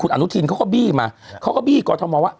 คุณอนุทินเขาก็บี้มาเขาก็บี้ก่อนทำมาว่า